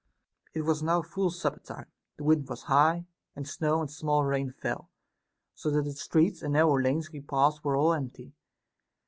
30. It was now full supper time, the wind was high, and snow and small rain fell, so that the streets and nar row lanes we passed were all empty.